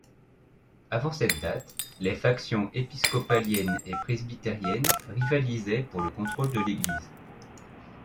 Avant cette date, les factions épiscopaliennes et presbytériennes rivalisaient pour le contrôle de l'Église.